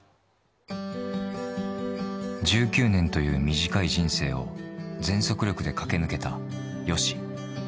１９年という短い人生を、全速力で駆け抜けたＹＯＳＨＩ。